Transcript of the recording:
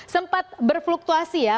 sempat berfluktuasi ya